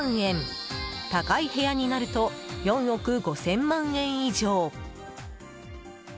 高い部屋になると４億５０００万円以上。